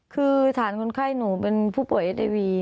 คือฐานคนไข้หนูเป็นผู้ป่วยเอสไอวี